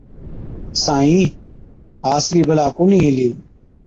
سائِين، ها اَصلِي بَلا ڪونهِي هِلِي۔